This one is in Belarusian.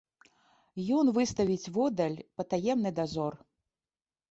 Ён выставіць воддаль патаемны дазор.